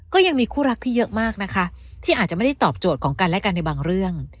ก็ยังมีคู่รักที่เยอะมากนะคะที่อาจจะไม่ได้ตอบโจทย์ของกันและกันในบางเรื่อง